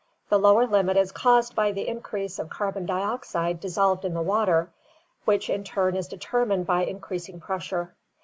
The lower limit is caused by the increase of carbon dioxide dissolved in the water, which in turn is determined by increasing pressure.